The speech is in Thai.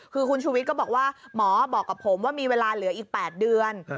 คือคุณชูวิทย์ก็บอกว่าหมอบอกกับผมว่ามีเวลาเหลืออีก๘เดือน